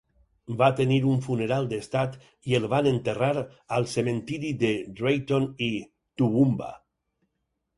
Va tenir un funeral d'estat i el van enterrar al cementiri de Drayton i Toowoomba.